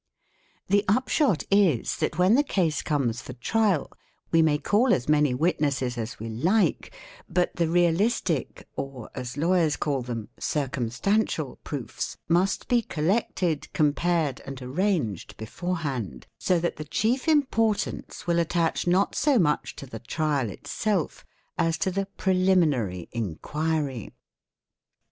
The upshot is that when the case comes for trial we may call as many witnesses as we like, but the realistic or, as lawyers call them, circumstantial proofs must be collected, compared, and arranged beforehand, so that the chief importance will attach not so much to the trial itself as to the Preliminary Inquiry.